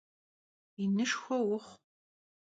Yinışşxue vuxhu!